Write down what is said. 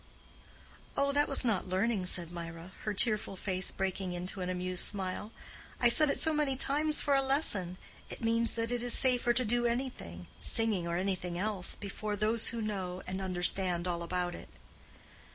"Oh, that was not learning," said Mirah, her tearful face breaking into an amused smile. "I said it so many times for a lesson. It means that it is safer to do anything—singing or anything else—before those who know and understand all about it."